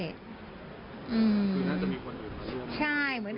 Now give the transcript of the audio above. คือน่าจะมีคนอื่นมาร่วม